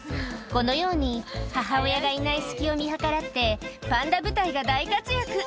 このように、母親がいない隙を見計らって、パンダ部隊が大活躍。